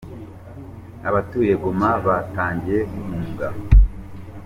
Abatuye Goma batangiye guhunga